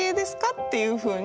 っていうふうに。